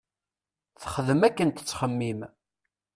Texdem akken tettxemim.